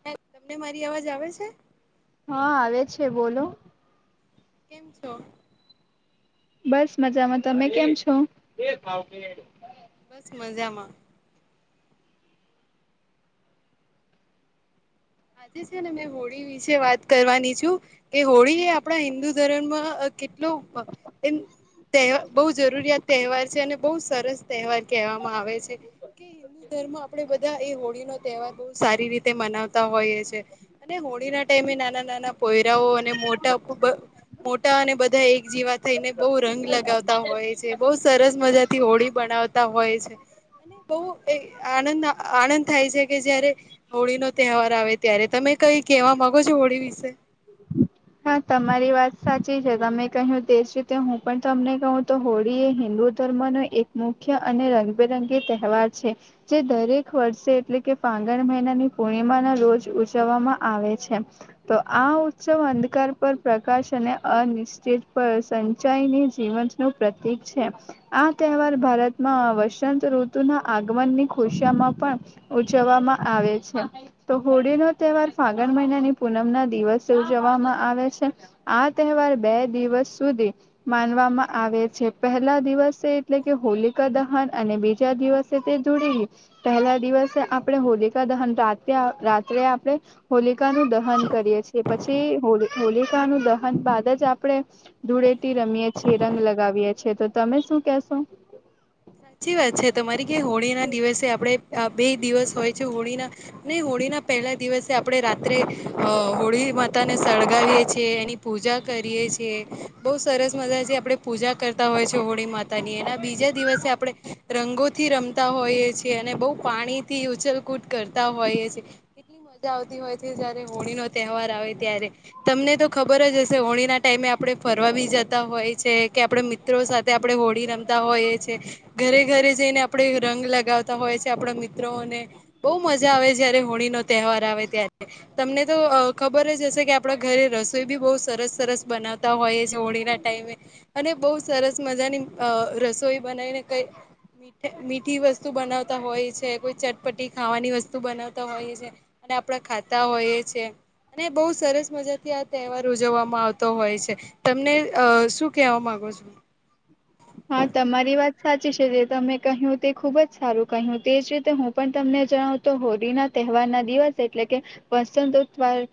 [unintelligible] તમને મારી અવાજ આવે છે. હા આવે છે બોલો. કેમ છો? બસ મજામા. તમે કેમ છો? બસ મજામાં. આજે છે ને મે હું હોળી વિશે વાત કરવાની છું. કે હોળી આપણા હિન્દુ ધર્મમાં કેટલું હોળી આપણા હિન્દુ ધર્મનો ખૂબ જ મહત્વનો અને સુંદર તહેવાર છે. કહેવાય છે કે હિન્દુ ધર્મમાં બધા લોકો હોળીનો તહેવાર ખૂબ જ સારી રીતે મનાવે છે. મનાવતા હોઈએ છે અને હોળીના ટાઈમે નાના નાના છોકરાઓ અને મોટા ખૂબ મોટા અને નાના બધા એકસાથે થઈને એકબીજાને ખૂબ રંગ લગાવતા હોય છે. ખૂબ જ સરસ અને મજાનો તહેવાર છે. થી હોળી મનાવતા હોય છે. અને બહુ આનંદ થાય છે કે જ્યારે હોળીનો તહેવાર આવે ત્યારે તમે હોળી વિશે કંઈ કહેવા માંગો છો? હા, તમારી વાત સાચી છે. તમે કહ્યું તે જ રીતે હું પણ તમને કહું તો, હોળી એ હિન્દુ ધર્મનો એક મુખ્ય અને રંગબેરંગી તહેવાર છે. જે દર વર્ષે એટલે કે ફાગણ મહિનાની પૂનમના રોજ ઉજવવામાં આવે છે. તો આ ઉત્સવ અંધકાર પર પ્રકાશ અને અનિશ્ચિત પર સંચાઈની જીવન નું પ્રતીક છે. આ તહેવાર ભારતમાં વસંત ઋતુના આગમનની ખુશીમાં પણ ઉજવવામાં આવે છે. તો હોળી નો તહેવાર ફાગણ મહિનાની પૂનમના દિવસે ઉજવવામાં આવે છે. આ તહેવાર બે દિવસ સુધી માનવામાં આવે છે. પહેલા દિવસે એટલે કે હોલિકા દહન અને બીજા દિવસે [unintelligible] જોડી પહેલા દિવસે હોલિકા દહન રાતે આપણે હોલિકાનું દહન કરીએ છીએ. પછી હોલિકાનું દહન પછી જ આપણે ધૂળેટી રમીએ છીએ. રંગ લગાવીએ છીએ. તો તમે શું કશો? સાચી વાત છે તમારી કે હોળીના દિવસે આપણે આ બે દિવસ હોય છે હોળીના નહી હોળી ના પહેલા દિવસે આપણે રાત્રે હોળી માતાને સળગાવીએ છીએ એની પૂજા કરીએ છીએ. બહુ સરસ મજાની જે આપણે પૂજા કરતા હોય છે હોળી માતા એના બીજા દિવસે આપણે રંગોથી રમતા હોઈએ છીએ અને બહુ પાણી થી ઉછલ કૂદ કરતા હોઈએ છે. મજા આવતી હોય છે જયારે હોળી નો તહેવાર આવે ત્યારે તમને તો ખબર જ હશે હોળીના તે ટાઈમે આપણે ફરવા બી જતા હોય છે કે આપણે મિત્રો સાથે આપણે હોળી રમતા હોઈએ છે. ઘરે ઘરે જઈને આપણે રંગ લગાવતા હોય છે આપણા મિત્રોને બહુ મજા આવે જયારે હોળી નો તહેવાર આવે ત્યારે તમને તો ખબર જ હશે કે આ આપણા ઘરે રસોઈ બી બહુ સરસ સરસ બનાવતા હોય છે હોળીના ટાઈમે અને બહુ સરસ મજાની અ રસોઈ બનાવીને કઈ મીઠી વસ્તુ બનાવતા હોય છે કોઈ ચટપટી ખાવાની વસ્તુ બનાવતા હોઈ છે. ને આપણે ખાતા હોઈએ છે. ને બહુ સરસ મજા થી આ તહેવાર ઉજવવામાં આવતો હોય છે તમને અ શું કેવા માંગો છો હા તમારી વાત સાચી છે જે તમે કહ્યું તે ખુબ જ સારું કહ્યું તેજ રીતે હું પણ તમને જણાવુ તો હોળી ના તહેવાર ના દિવસ એટલે કે અત્યાર તો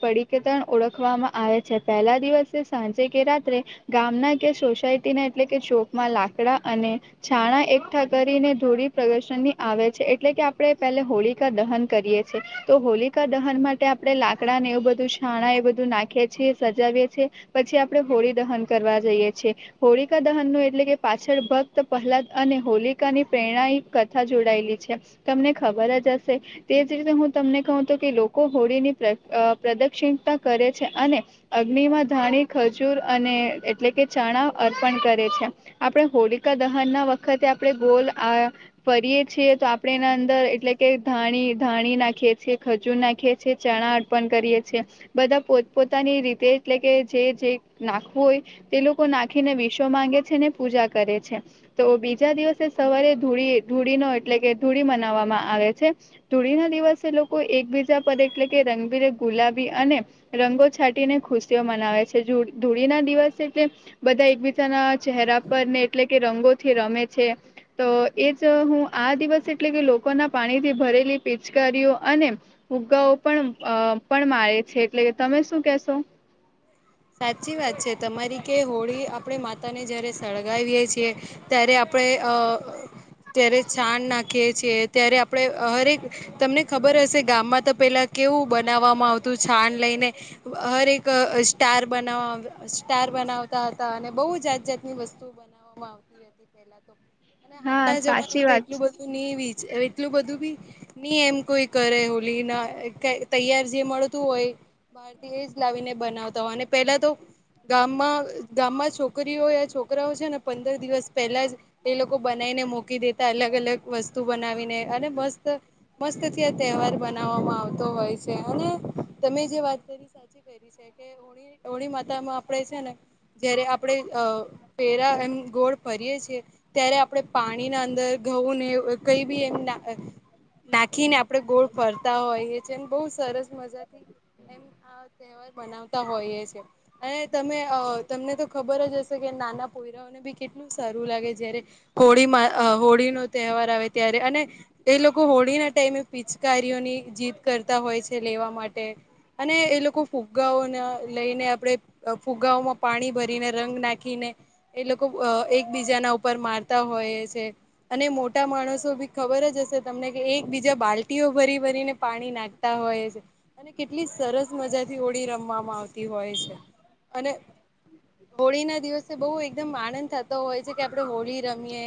પડી જતા કે ઓળખવામાં આવે છે પહેલા દિવસે સાંજે કે રાત્રે ગામના કે સોસાયટીના એટલે ચોકમાં લાકડા અને છાણા એકઠા કરીને ધૂળી પ્રદર્શનની આવે છે એટલે કે આપણે પહેલા હોળિકા દહન કરીએ તો હોલિકા દહન માટે આપણે લાકડા ને એવું બધું છાણા એ બધું નાખી છીએ સજાવીએ છીએ. પછી આપણે હોળી દહન કરવા જઈએ છીએ હોળિકા દહન નું એટલે કે પાછળ ભક્ત પ્રહલાદ અને હોલિકાની પ્રેરણાઇક કથા જોડાયેલી છે. તમને ખબર જ હશે. તે જ રીતે હું તમને કહું તો કે લોકો હોળીની અ પ્રદક્ષિણતા કરે છે અને અગ્નિ માં ધાણી ખજૂર અને એટલે કે ચણા અર્પણ કરે છે. આપણે હોલિકા દહન ના વખતે આપણે ગોલ ફરીએ છીએ તો આપણેે એના અંદર એટલે કે ધાણી ધાણી નાખીએ છીએ ખજૂર નાખીએ છે ચણા અર્પણ કરીએ છે. બધા પોત પોતાની રીતે એટલે કે જે જે નાખવું હોય તે લોકો નાખીને વિશ્વ માંગે છે ને પૂજા કરે છે તો બીજા દિવસે સવારે ધૂળી ધૂળી નો એટલે કે ધૂળી મનાવવામાં આવે છે. ધૂળી ના દિવસે લોકો એકબીજા પર એટલે કે રંગબીરંગ ગુલાબી અને રંગો છાંટીને ખુશીયા મનાવે છે ધૂળી ના દિવસે તે બધા એકબીજાના ચહેરા પર ને એટલે કે રંગોથી રમે છે. તો એજ હું આ દિવસ એટલે કે લોકોના પાણી થી ભરેલી પિચકારીઓ અને ફુગ્ગાઓ પણ અ પણ મારે છે એટલે કે તમે શું કેશો સાચી વાત છે તમારી કે હોળી આપણે માતાને જ્યારે સળગાવીએ છીએ ત્યારે આપણે અ ત્યારે છાણ નાખીએ છીએ ત્યારે આપણે હરેક તમને ખબર હશે ગામમાં તો પેલા કેવું બનાવવામાં આવતું છાન લઈને હર એક અ સ્ટાર બનાવ સ્ટાર બનાવતા હતા અને બહુ જાત જાતની વસ્તુઓ બનાવવામાં આવતી હતી. અને હા હાલના સાચી જમાનામાં તો વાત એટલું છે બધું નહી એટલું બધું બી નઈ એમ કોઈ કરે હોલી ના તૈયાર જે મળતું હોય બાર એ જ તવીને બનાવતા હોય અને પેલા તો ગામમાં ગામમાં છોકરીઓએ છોકરાઓ છે ને પંદર દિવસ પહેલા જ એ લોકો બનાવીને મુકી દેતા અલગ અલગ વસ્તુ બનાવીને અને મસ્ત મસ્ત થી આ તહેવાર બનાવવામાં આવતો હોય છે અને તમે જે વાત કરી સાચી કરી છે કે હોણી માતામાં આપે છે ને જયારે આપણેે અ પેરા એમ ગોળ ફરીએ છીએ. ત્યારે આપણે પાણીના અંદર ઘઉં ને કઈ બી એમ નાખીને આપણે ગોળ ફરતા હોઈએ છેને બહુ સરસ મજાથી એમ આ તહેવાર બનાવ તા હોય છે અને તમે અહ તમને તો ખબર જ હશે કે પોઈરા ગાવ કેટલું સારું લાગે જારે હોળી માં હોળી નો તહેવાર આવે ત્યારે અને તો એ લોકો હોળી ના ટાઈમે પિચકારીઓની જીત કરતા હોય છે લેવા માટે અને એ લોકો ફૂગાઓ ન લઈને આપણે ફુગગાઓમાં પાણી ભરીને રંગ નાખીને એ લોકો અહ એકબીજાના ઉપર મારતા હોય છે અને મોટા માણસો બી ખબર જ હશે તમને કે એક બીજા બાલ્ટીઓ ભરી ભરીને પાણી નાખ તે હોય છે અને કેટલી સરસ મજાથી હોળી રમવા આવતી હોય છે અને હોળી ના દિવસે બહુ એકદમ આનંદ થતો હોય છે કે આપડે હોળી રમીએ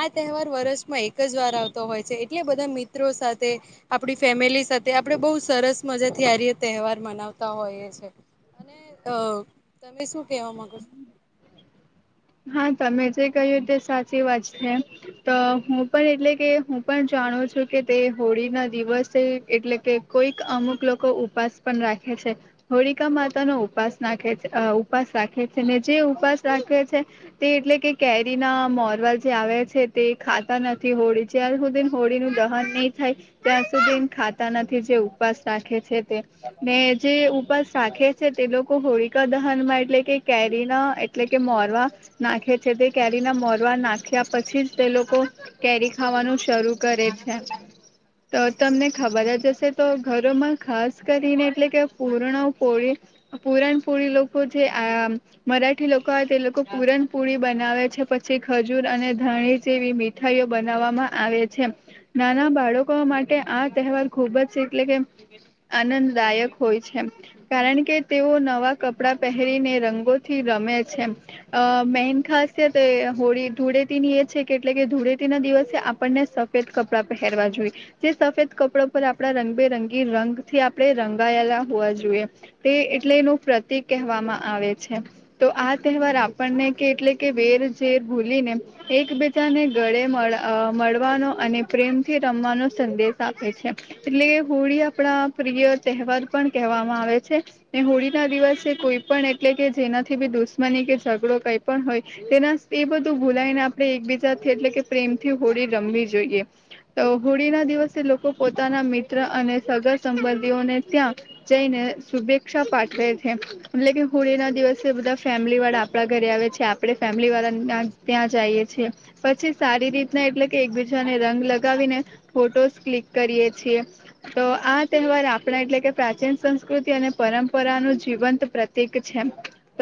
આ તહેવાર વરષમાં એક જ વાર આવતો હોય છે એટલે બધા મિત્રો સાથે આપડી ફેમિલી સાથે આપડે બહુ સરસ મજા થી આ તહેવાર મનાવતા હોઈએ છે. અને અહ તમે શું કેવા માંગો છો? હા તમે જે કહીએ તે સાચી વાત છે. તો હું પણ એટલે કે હું પણ જાણું છું કે તે હોળી ના દિવસે છે એટલે કે કોઈક અમુક લોકો ઉપાસ પણ રાખે છે. હોળિકા માતા નો ઉપાસ નાખે છે અહ ઉપાસ રાખે છે ને જે ઉપાસ રાખે છે તે એટલે કે કેરી ના મોરવાલ જે આવ્યા છે તે ખાતા નથી હોડી. અત્યાર હુધી હોળીનું દહન નહીં થાય ત્યાં સુધી એ ખાતા નથી જે ઉપવાસ રાખે છે તે ને જે ઉપવાસ રાખે તે લોકો હોળીકા દહનમાં એટલે કે કેરીના એટલે કે મોરવા નાખે છે તે કેરીના મોરવા નાખ્યા પછી જ તે લોકો કેરી ખાવાનું શરૂ કરે છે. તો તમને ખબર જ હશે તો ઘરોમાં ખાસ કરીને એટલે કે પૂરણ પોળી પુરાણપુળી લોકો જે આ મરાઠી લોકો હોય તે લોકો પુરણપુરી બનાવે છે પછી ખજૂર અને ધણી જેવી મીઠાઈઓ બનાવવામાં આવે છે. નાના બાળકો માટે આ તહેવાર ખુબ જ છે એટલે કે આનંદદાયક હોય છે. કારણ કે તેઓ નવા કપડા પહેરીને રંગોથી રમે છે અહ મેન ખાસિયત હોળી ધૂળેતીની એ છે કે એટલે કે ધૂળેતી ના દિવસે આપણને સ કપડાં પહેરવા જોઈએ જે સફેદ કપડા પર આપણા રંગબેરંગી રંગથી આપણેે રંગાયેલા હોવા જોઈએ તે એટલે એનું પ્રતિક કહેવામાં આવે છે તો આ તહેવાર આ આપણને કે એટલે કે વેર ઝેર ભૂલી ને એકબીજાને ગળે અહ મળવાનો અને પ્રેમથી રમવાનો સંદેશ આપે છે. એટલે કે હોળી આપડા પ્રિય તહેવાર પણ કહેવામાં આવે છે. ને હોળી ના દિવસે કોઈ પણ એટલે કે જેનાથી બી દુશ્મની કે ઝઘડો કઈ પણ હોય. તેના એ બધું ભૂલાયને આપડે એકબીજાથી એટલે કે પ્રેમથી હોળી રમવી જોઈએ. તો હોળી ના દિવસે લોકો પોતાના મિત્ર અને સગા સંબંધીઓને ત્યાં જઈને શુભેચ્છા પાઠવે છે એટલે કે હોળી ના દિવસે બધા ફેમિલી વાળા પડા ઘરે આવે છે આપણે ફેમિલી વાળા ત્યાં જાઈએ છીએ. પછી સારી રીતના એટલે કે એકબીજાને રંગ લગાવીને ફોટોસ ક્લિક કરીએ છીએ. તો આ તહેવાર આપણે એટલે કે પ્રાચીન સંસ્કૃતિ અને પરંપરાનુ જીવંત પ્ર એક છે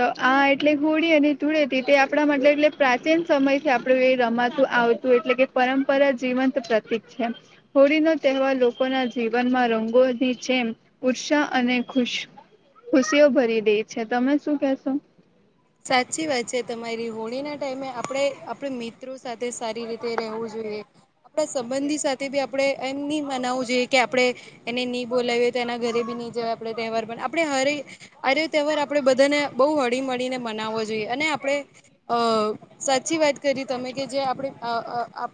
તો આ એટલે હોળી અને ધૂળટી તે આપણા માટે એટલે પ્રાચીન સમય થી આપડું એ રમાતું આવતું એટલે કે પરંપરા જીવંત પ્રતિક છે. હોળી નો તહેવાર લોકો ના જીવનમાં રંગોની જેમ ઉત્સાહ અને ખુશ ખુશીઓ ભરી દે છે તમે શું કેશો? સાચી વાત છે તમારી હોળીના ટાઈમે આપણે આપણે મિત્રો સાથે સારી રીતે રહેવું જોઈએ. આપણા સંબંધી સાથે બી આપણે એમ નહી મનાવવું જોઈએ કે આપણે એને નહી બોલાવીએ તો એના ઘરે બી નહી જવા આપે તહેવાર પણ આપણે હરે આર્ય તહેવાર આપડે બધાને બહુ હળી મળીને મનાવવો જોઈએ અને આપણે અ સાચી વાત કરી તમે કે જે આપણે આ અ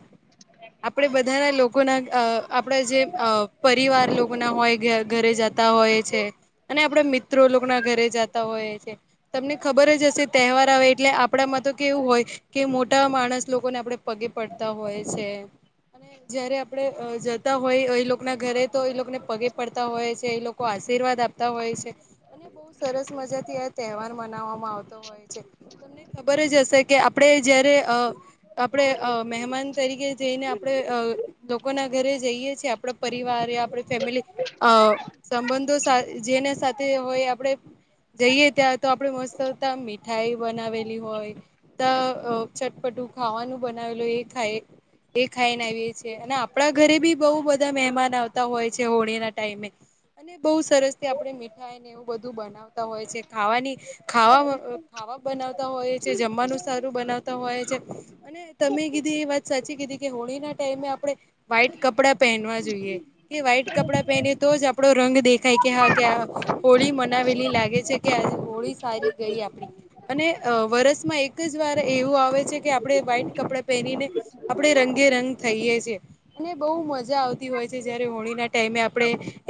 આપણેે બધાના લોકોના અ આપણા જે અ પરિવાર લોકો ના હોય ઘરે જ તા હોય છે અને આપડા મિત્રો લોકો ના ઘરે જતા હોય છે તમને ખબર જ હશે તહેવાર આવે એટલે આપણામાં તો કેવું હોય કે મોટા માણસ લોકોને આપણે પગે પડતા હોય છે. અને જયારે આપડે જતા હોય એ લોકો ના ઘરે તો એ લોકને પગે પડતા હોય છે એ લોકો આશીર્વાદ આપતા હોય છે. અને બહુ સરસ મજા થી આ તહેવાર મનાવામાં આવતો હોય છે તમને ખબર જ હશે કે આપણે જયારે અ આપણે અ મહેમાન તરીકે જઈને આપણે અ લોકોના ઘરે જઈએ છીએ આપણા પરિવાર જઈ એ આપડે ફેમિલી અ સંબંધો સા જે ના સા તે હોય આપણે જઈએ ત્યાં તો આપડે મસ્તતા મીઠાઈ બનાવેલી હોય. અ ચટપટું ખાવાનું બનાવેલુ હોય એ ખાય. એ ખાઈને આવીએ છીએ અને આપણા ઘરે બી બહુ બધા મહેમાન આવતા હોય છે હોળી ના ટાઈમે અને બહુ સરસ થી આપણેે મીઠાઈને એવું બધું બનાવતા હોય છે ખાવાની ખાવામાં ખાવા બનાવતા હોય છે જમવાનું સારું બનાવતા હોય છે. અને તમે કીધી એ વાત સાચી કીધી કે હોળીના ટાઈમે આપણે વ્હાઈટ કપડાં પહેનવા જોઈએ. કે વ્હાઈટ કપડા પહેરી તો જ આપડો રંગ દેખાય કે હા કે હોળી મનાવેલી લાગે છે કે હોળી સારી ગઈ આપડી અને અ વરસમાં એક જ વાર એવું આવે છે કે આપણે વ્હાઈટ કપડાં પહેરીને આપણેે રંગે રંગ થઈએે છીએ. અને બહુ મજા આવતી હોય છે. જયારે હોળી ના ટાઈમે આપણે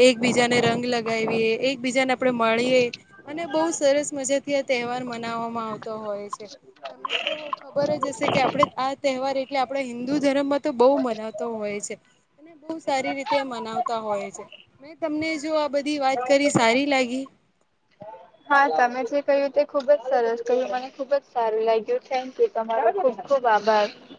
એકબીજાને રંગ લગાવીએ એકબીજાને આપણે મળીએ અને બહુ સરસ મજા થી આ તહેવાર મનાવામાં આવતો હોય છે. તમને તો ખબર જ હશે કે આપડે આ તહેવાર એટલે આપણે હિન્દુ ધર્મમાં તો બહુ મનાવતો હોય છે. ખૂબ સારી રીતે મનાવતા હોય છે. મે તમને જો આ બધી વાત કરી સારી લાગી. હા તમે જે કહ્યું તે ખુબ જ સરસ કહ્યું મને ખુબ જ સારું લાગ્યું થેન્ક યુ તમારો ખૂબ ખૂબ આભાર. Thank you.